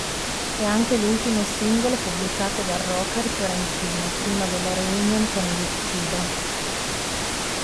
È anche l'ultimo singolo pubblicato dal rocker fiorentino prima della reunion con i Litfiba.